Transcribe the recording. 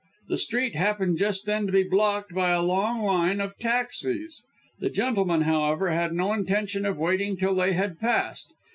The street happened just then to be blocked by a long line of taxis. The gentleman, however, had no intention of waiting till they had passed.